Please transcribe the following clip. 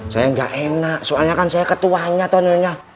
saya enggak enak soalnya kan saya ketuanya tuh nyonya